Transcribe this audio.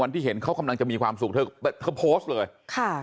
ที่เห็นเขากำลังจะมีความสุขเธอเธอโพสต์เลยค่ะ